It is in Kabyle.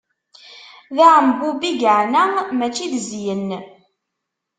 D aɛembub i yeɛna, mačči d zzyen.